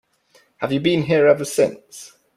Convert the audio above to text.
Have you been here ever since?